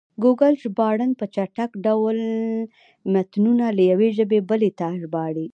ګوګل ژباړن په چټک ډول متنونه له یوې ژبې بلې ته ژباړي.